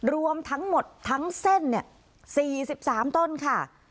รวมทั้งหมดทั้งเส้น๔๓ต้นค่ะ